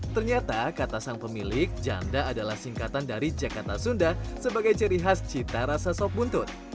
ternyata kata sang pemilik janda adalah singkatan dari jakarta sunda sebagai ciri khas cita rasa sop buntut